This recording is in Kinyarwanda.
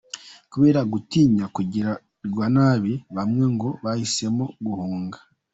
Kubera gutinya kugirirwa nabi, bamwe ngo bahisemo guhunga.